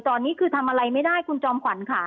ตอนนี้คือทำอะไรไม่ได้คุณจอมขวัญค่ะ